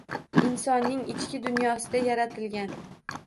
Insonning ichki dunyosida yaratilgan